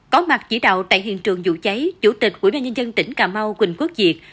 có mặt chỉ đạo tại hiện trường vụ cháy chủ tịch quỹ đoàn nhân dân tỉnh cà mau quỳnh quốc diệt